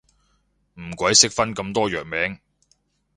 唔鬼識分咁多藥名